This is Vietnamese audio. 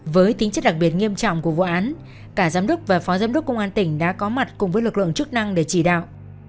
với tính chất đặc biệt nghiêm trọng của vụ án cả giám đốc và phó giám đốc công an tỉnh đã có mặt cùng với lực lượng chức năng để chỉ đạo